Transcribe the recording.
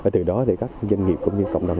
từ đó các doanh nghiệp cũng như cộng đồng